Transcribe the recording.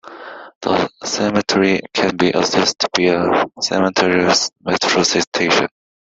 The cemetery can be accessed via Cementerios metro station.